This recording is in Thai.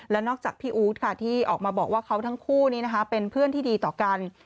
และนอกจากพี่อู๊ดค่ะที่ออกมาบอกว่าเขาทั้งคู่นี้นะคะเป็นเพื่อนที่ดีต่อกัน